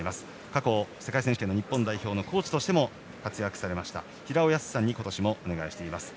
過去、世界選手権の日本代表のコーチとしても活躍されました平尾泰さんに今年もお願いしています。